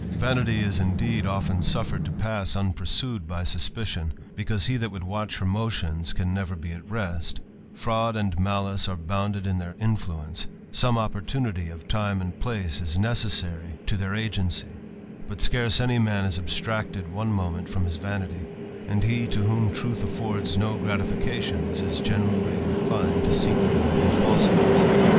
Vanity is, indeed, often suffered to pass unpursued by mspicion, because he that would watch her motions, can wrer be at rest : fraud and malice are bounded in their nflueDce; some opportunity of lime and place is necessary to grail ^ ougb^B 9i8 THE ADVENTURER. their agency ; but scarce any man is abstracted one moment from his vanity ; and he, to whom truth affords no fications, is generally inclined to seek them in falsehoods.